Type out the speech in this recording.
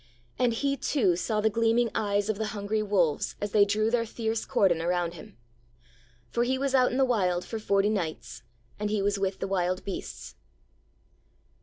And He too saw the gleaming eyes of the hungry wolves as they drew their fierce cordon around Him. For He was out in the Wild for forty nights, and He was with the wild beasts.